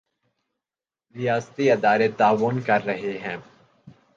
ریاستی ادارے تعاون کر رہے ہیں۔